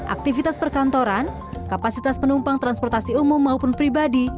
aktivitas perkantoran kapasitas penumpang transportasi umum maupun pribadi